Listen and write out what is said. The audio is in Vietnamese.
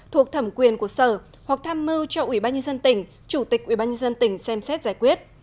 thuộc thẩm quyền của sở hoặc tham mưu cho ủy ban nhân dân tỉnh chủ tịch ủy ban nhân dân tỉnh xem xét giải quyết